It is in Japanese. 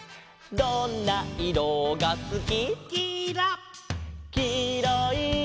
「どんないろがすき」「」